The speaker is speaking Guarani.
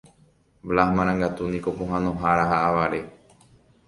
Blas Marangatu niko pohãnohára ha avare.